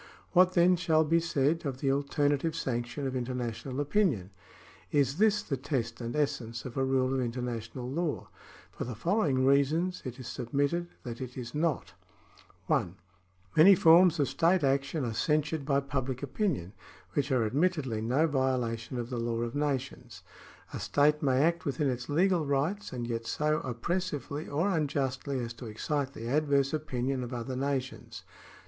What then shall be said of the alternative sanction of international opinion ? Is this the test and essence of a rule of international law ? For the following reasons it is submitted that it is not :— (1) Many forms of state action are censured by pubHc opinion, which are admittedly no violation of the law of nations. A state may act within its legal rights, and yet so oppressively or unjustly as to excite the adverse opinion of other nations.